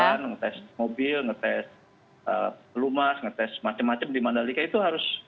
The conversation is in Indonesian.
ngetes ban ngetes mobil ngetes lumas ngetes macem macem di mandali kai itu harus